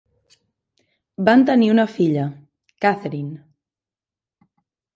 Van tenir una filla: Katherine.